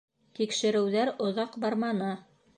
Тикшереүҙәр оҙаҡ барманы.